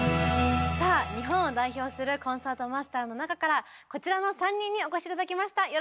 さあ日本を代表するコンサートマスターの中からこちらの３人にお越し頂きました。